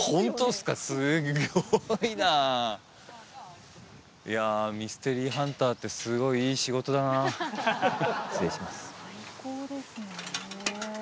すごいないやミステリーハンターってすごいいい仕事だなあ失礼します